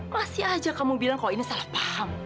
masih aja kamu bilang kalau ini salah paham